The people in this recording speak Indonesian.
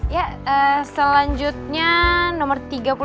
ya selanjutnya nomor tiga puluh delapan